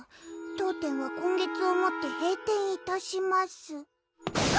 「当店は今月をもって閉店いたします」